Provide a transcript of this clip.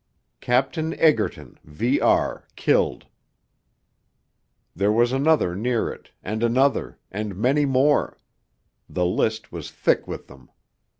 CAPTAIN EGERTON, V.R. Killed. There was another near it, and another, and many more; the list was thick with them.